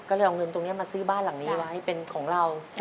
ก็เลยเอาเงินตรงนี้มาซื้อบ้านหลังนี้ไว้เป็นของเรา